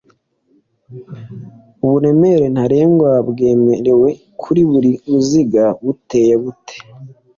uburemere ntarengwa bwemewe kuri buri ruziga buteye bute